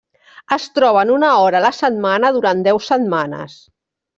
Es troben una hora a la setmana durant deu setmanes.